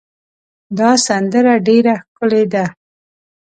دا سندره ډېره ښکلې ده.